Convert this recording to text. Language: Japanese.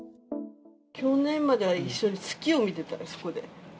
去年までは一緒に月を見てたよ、そこで。